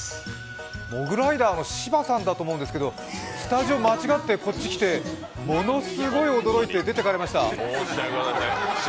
モグライダーの芝さんだと思うんですけどスタジオ、間違ってこっち来てものすごい驚いて出て行かれました。